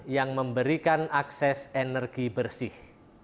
yang memberikan akses energi bersih